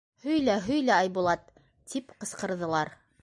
— Һөйлә, һөйлә, Айбулат! — тип ҡысҡырҙылар.